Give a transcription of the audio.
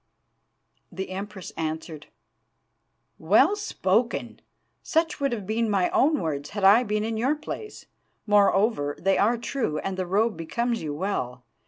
"The Empress answered: 'Well spoken! Such would have been my own words had I been in your place. Moreover, they are true, and the robe becomes you well.